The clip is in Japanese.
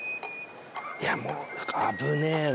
いやもう危ねえな。